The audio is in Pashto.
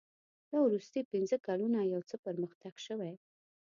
دا وروستي پنځه کلونه یو څه پرمختګ شوی.